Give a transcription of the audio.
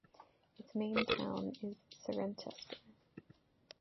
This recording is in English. Its main town is Cirencester.